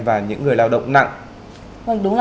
và những người lao động nặng